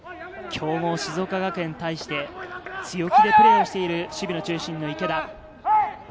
強豪・静岡学園に対して強気でプレーをしている守備の中心の池田。